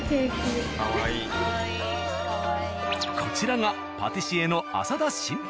こちらがパティシエの。